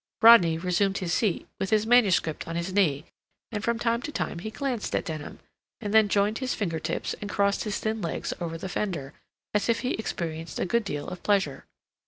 Rodney resumed his seat, with his manuscript on his knee, and from time to time he glanced at Denham, and then joined his finger tips and crossed his thin legs over the fender, as if he experienced a good deal of pleasure.